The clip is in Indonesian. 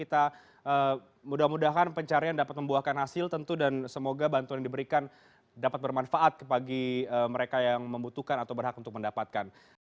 kita mudah mudahan pencarian dapat membuahkan hasil tentu dan semoga bantuan yang diberikan dapat bermanfaat bagi mereka yang membutuhkan atau berhak untuk mendapatkan